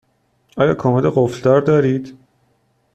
آیا کمد قفل دار دارید؟